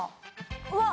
うわっ。